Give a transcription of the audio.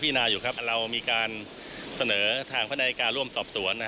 พระนามสวนอยู่ครับเรามีการเสนอทางพนักราชินิการร่วมสอบสวน